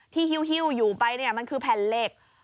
ที่หิวอยู่ไปนี่มันคือแผ่นเหล็ก